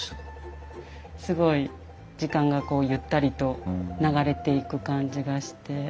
すごい時間がゆったりと流れていく感じがして。